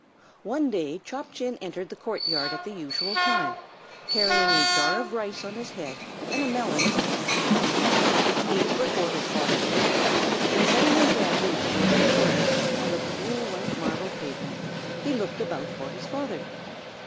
One day Chop Chin entered the court yard at the usual time, carrying a jar of rice on his head, and a melon in one hand. These were for his father's dinner, and setting them down in a shaded corner, on the cool white marble pavement, he looked about for his father.